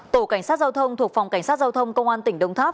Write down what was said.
tổ cảnh sát giao thông thuộc phòng cảnh sát giao thông công an tỉnh đồng tháp